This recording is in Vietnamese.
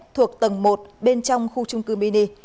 thuộc tầng một bên trong khu trung cư mini